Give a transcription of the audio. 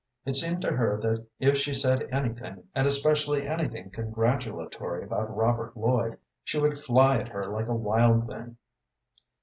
It seemed to her that if she said anything, and especially anything congratulatory about Robert Lloyd, she would fly at her like a wild thing.